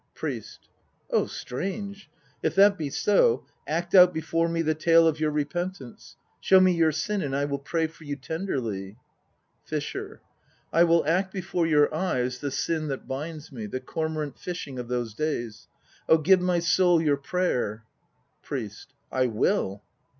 PRIEST. Oh strange! If that be so, act out before me the tale of your repentance. Show me your sin and I will pray for you tenderly. FISHER. I will act before your eyes the sin that binds me, the cormorant fishing of those days. Oh give my soul your prayer! PRIEST. I will.